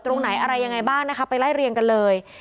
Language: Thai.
ตรงไหนอะไรยังไงบ้างนะคะไปไล่เรียงกันเลย